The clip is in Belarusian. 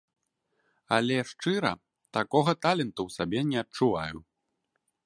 Але, шчыра, такога таленту ў сабе не адчуваю.